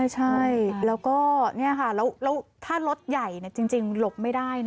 ใช่แล้วก็แล้วถ้ารถใหญ่จริงหลบไม่ได้นะ